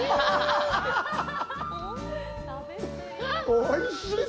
おいしい。